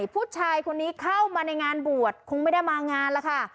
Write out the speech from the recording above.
ผู้ชายคนนี้เข้ามาในงานบวชคงไม่ได้มางานแล้วค่ะ